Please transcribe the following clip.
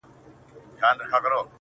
• له ازله مي راوړي پر تندي باندي زخمونه,